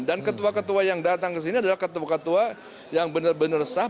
dan ketua ketua yang datang ke sini adalah ketua ketua yang benar benar sah